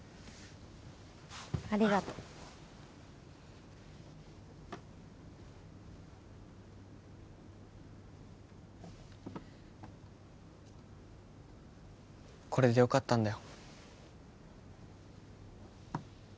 ありがとうこれでよかったんだよ